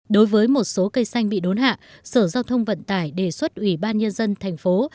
đối với một số cây xanh bị đốn hạ sở giao thông vận tải đề xuất ủy ban nhân dân thành phố